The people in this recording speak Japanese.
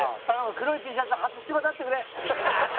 黒いＴシャツ初芝であってくれ。